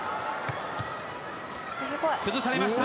崩されました。